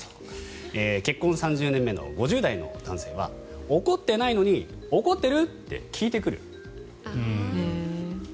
結婚３０年目の５０代の男性は怒ってないのに怒ってる？って聞いてくる。